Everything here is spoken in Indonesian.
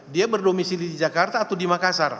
dia berdomisili di jakarta atau di makassar